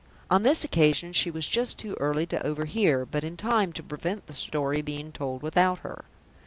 On this occasion she was just too early to overhear, but in time to prevent the story being told without her.